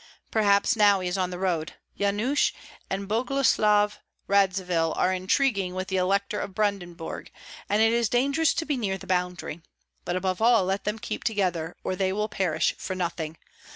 Perhaps now he is on the road. Yanush and Boguslav Radzivill are intriguing with the Elector of Brandenburg, and it is dangerous to be near the boundary. But above all, let them keep together, or they will perish for nothing.